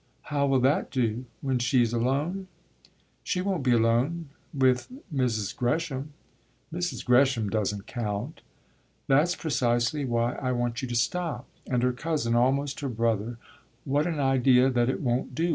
"How will that do when she's alone?" "She won't be alone, with Mrs. Gresham." "Mrs. Gresham doesn't count." "That's precisely why I want you to stop. And her cousin, almost her brother: what an idea that it won't do!